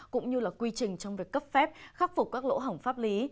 cũng như là quy trình trong việc cấp phép khắc phục các lỗ hỏng pháp lý